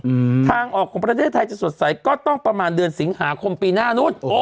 อืมทางออกของประเทศไทยจะสดใสก็ต้องประมาณเดือนสิงหาคมปีหน้านู้นโอ้